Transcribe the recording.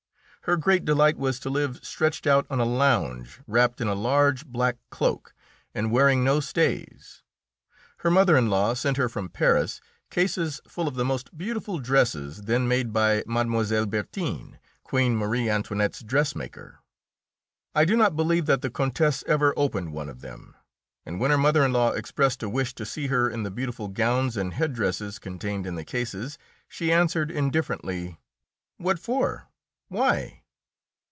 Her great delight was to live stretched out on a lounge wrapped in a large black cloak, and wearing no stays. Her mother in law sent her, from Paris, cases full of the most beautiful dresses then made by Mlle. Bertin, Queen Marie Antoinette's dressmaker. I do not believe that the Countess ever opened one of them, and when her mother in law expressed a wish to see her in the beautiful gowns and head dresses contained in the cases, she answered indifferently: "What for? Why?"